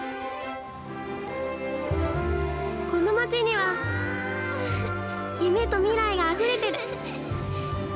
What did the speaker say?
この街には夢と未来があふれている。